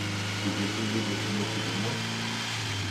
Vous essayez de vous moquer de moi ?